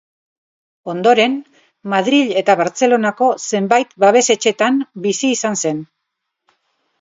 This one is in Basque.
Ondoren, Madril eta Bartzelonako zenbait babes-etxetan bizi izan zen.